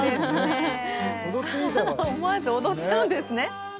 思わず踊っちゃうんですね